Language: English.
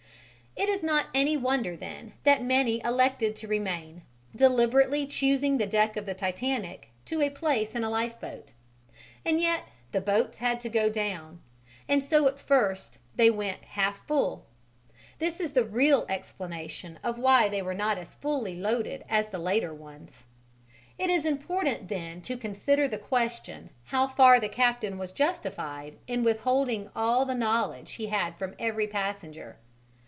It is not any wonder, then, that many elected to remain, deliberately choosing the deck of the Titanic to a place in a lifeboat. And yet the boats had to go down, and so at first they went half full: this is the real explanation of why they were not as fully loaded as the later ones. It is important then to consider the question how far the captain was justified in withholding all the knowledge he had from every passenger.